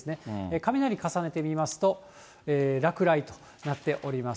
雷重ねてみますと、落雷となっております。